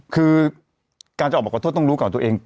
คือการจะออกมาขอโทษต้องรู้ก่อนตัวเอง